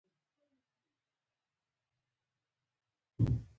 ځان د واقعيت مطابق د فکر کولو درجې ته ورسوي.